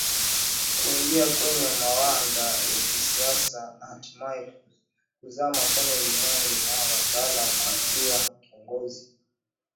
kuingia kwenye mawanda ya Kisiasa na hatimae kuzama kwenye ulimwengu wa wanataaluma akiwa kiongozi